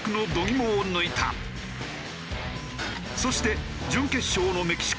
そして準決勝のメキシコ戦。